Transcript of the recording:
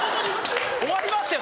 終わりましたよ